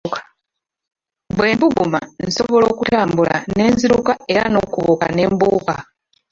Bwe mbuguma, nsobola okutambula, ne nziruka era n'okubuuka ne mbuuka.